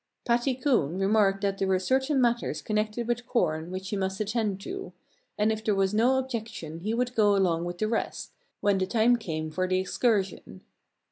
Patty Coon remarked that there were certain matters connected with corn which he must attend to, and if there was no objection he would go along with the rest, when the time came for the excursion.